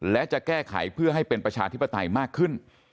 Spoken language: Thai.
และจะแก้ไขเพื่อให้เป็นประชาธิปไตยมากขึ้น